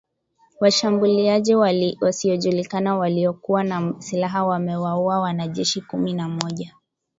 Washambuliaji wasiojulikana waliokuwa na silaha wamewaua wanajeshi kumi na mmoja